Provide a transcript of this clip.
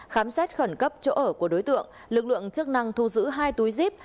khám xét khẩn cấp chỗ ở của đối tượng lực lượng chức năng thu giữ hai túi zip